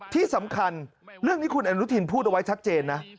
ที่สำคัญเรื่องนี้คุณอนุทินพูดเอาไว้ชัดเจนนะ